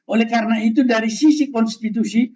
oleh karena itu dari sisi konstitusi